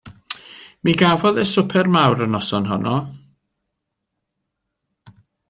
Mi gafodd o swper mawr y noson honno.